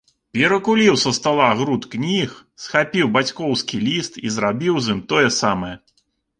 Перакуліў са стала груд кніг, схапіў бацькоўскі ліст і зрабіў з ім тое самае.